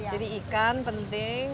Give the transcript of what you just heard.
jadi ikan penting